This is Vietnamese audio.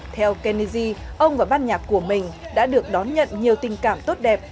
theo kennedy ông và ban nhạc của mình đã được đón nhận nhiều tình cảm tốt đẹp